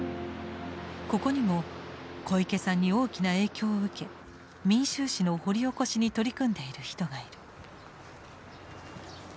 ここにも小池さんに大きな影響を受け民衆史の掘り起こしに取り組んでいる人がいる。